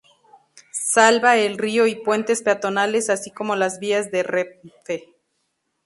Salva el río y puentes peatonales así como las vías de Renfe.